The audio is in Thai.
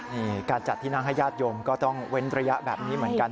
นี่การจัดที่นั่งให้ญาติโยมก็ต้องเว้นระยะแบบนี้เหมือนกัน